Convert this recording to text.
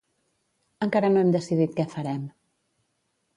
Encara no hem decidit què farem.